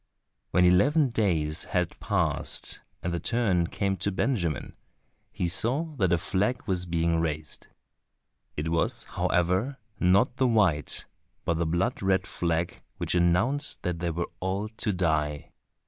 When eleven days had passed and the turn came to Benjamin, he saw that a flag was being raised. It was, however, not the white, but the blood red flag which announced that they were all to die.